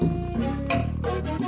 ibu lebih parah